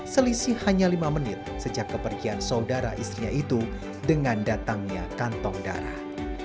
selisih hanya lima menit sejak kepergian saudara istrinya itu dengan datangnya kantong darah